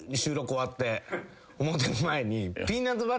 思うてる前に。